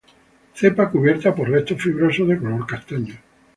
Cepa cubierta por restos fibrosos de color castaño.